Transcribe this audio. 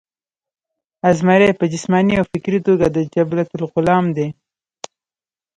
ازمرے پۀ جسماني او فکري توګه د جبلت غلام دے